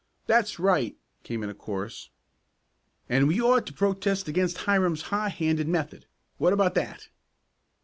"That's right!" came in a chorus. "And we ought to protest against Hiram's high handed method. What about that?"